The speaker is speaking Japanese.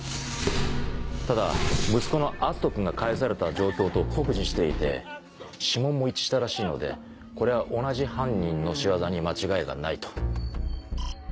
ただ息子の篤斗君が返された状況と酷似していて指紋も一致したらしいのでこれは同じ犯人の仕業に間違いがないと。